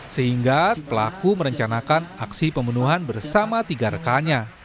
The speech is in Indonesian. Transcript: sehingga pelaku merencanakan aksi pembunuhan bersama tiga rekannya